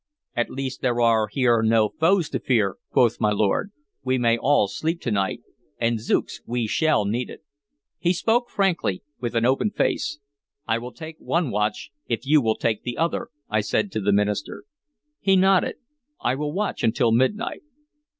"At least there are here no foes to fear," quoth my lord. "We may all sleep to night; and zooks! we shall need it!" He spoke frankly, with an open face. "I will take one watch, if you will take the other," I said to the minister. He nodded. "I will watch until midnight."